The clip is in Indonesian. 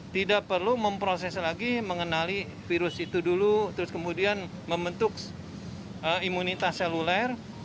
tidak perlu memproses lagi mengenali virus itu dulu terus kemudian membentuk imunitas seluler